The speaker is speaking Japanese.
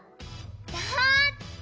だって！